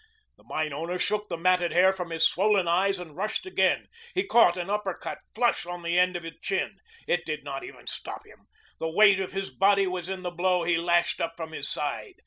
The mine owner shook the matted hair from his swollen eyes and rushed again. He caught an uppercut flush on the end of the chin. It did not even stop him. The weight of his body was in the blow he lashed up from his side.